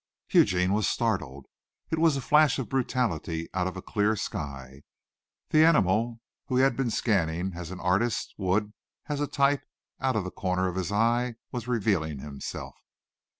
Eugene was startled. It was a flash of brutality out of a clear sky. The animal, whom he had been scanning as an artist would, as a type, out of the corner of his eye, was revealing himself.